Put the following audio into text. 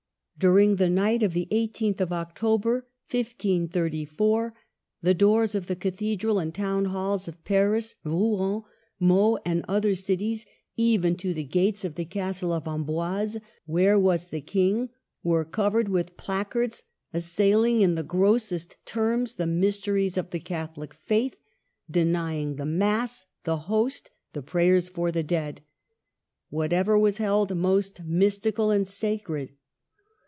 147 During the night of the i8th of October, 1534, the doors of the cathedral and town halls of Paris, Rouen, Meaux, and other cities, even to the gates of the Castle of Amboise where was the King, were covered with placards assail ing in the grossest terms the mysteries of the Catholic faith, denying the Mass, the Host, the prayers for the dead, — whatever was held most mystical and sacred.